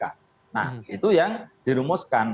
nah itu yang dirumuskan